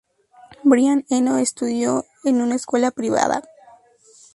Brian Eno estudió en una escuela privada, St.